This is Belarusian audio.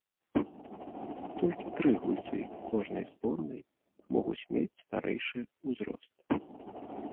Толькі тры гульцы кожнай зборнай могуць мець старэйшы узрост.